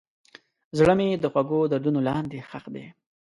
زړه مې د خوږو دردونو لاندې ښخ دی.